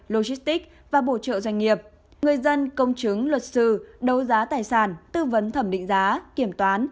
logistics và bổ trợ doanh nghiệp người dân công chứng luật sư đấu giá tài sản tư vấn thẩm định giá kiểm toán